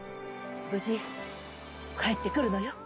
無事帰ってくるのよ。